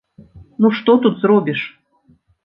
Ну што тут зробіш?